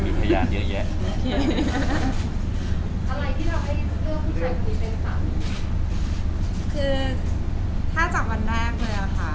คือถ้าจากวันแรกเลยอะค่ะ